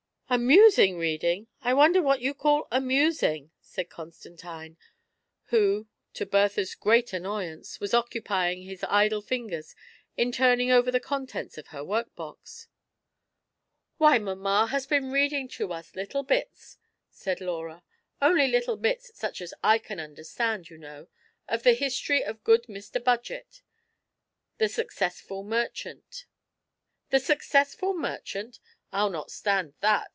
" Amusing reading ! I wonder what you call amusing !" said Constantine, who, to Bertha's great annoyance, was occupying his idle fingers in turning over the contents of her work box. "Why, mamma has been reading to us little bits," said Laura ;" only little bits such as I can understand, you know, of the history of good Mr. Budgett, the * Suc cessful Merchant.' " The Successful Merchant! I'll not stand that!"